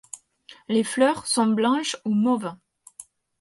Les fleurs sont blanches ou mauves.